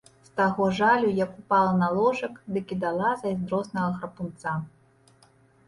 З таго жалю, як упала на ложак, дык і дала зайздроснага храпунца.